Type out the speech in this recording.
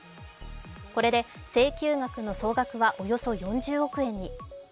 これで請求額の総額はおよそ４０億円に。